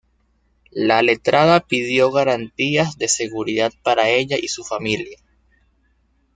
La letrada pidió garantías de seguridad para ella y su familia.